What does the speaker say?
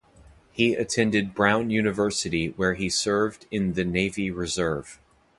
He attended Brown University where he served in the Navy Reserve.